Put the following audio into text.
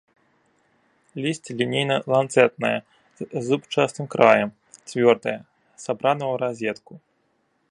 Лісце лінейна-ланцэтнае з зубчастым краем, цвёрдае, сабрана ў разетку.